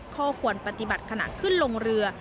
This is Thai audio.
เขาควรปฏิบัติขนาดขึ้นลงเรือ